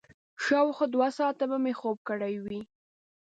شاوخوا دوه ساعته به مې خوب کړی وي.